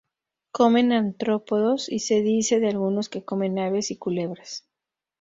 Comen artrópodos, y se dice de algunos que comen aves y culebras.